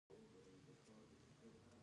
د ونو شاخه بري شوي څانګې څه کړم؟